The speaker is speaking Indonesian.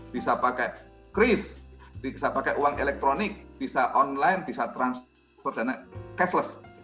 bisa pakai kris bisa pakai uang elektronik bisa online bisa transfer dan cashless